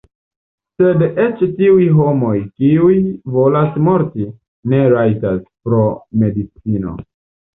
Sed eĉ tiuj homoj, kiuj volas morti, ne rajtas, pro medicino.